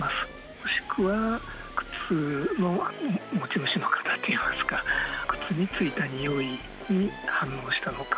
もしくは、靴の持ち主の型っていいますか、靴についたにおいに反応したのか。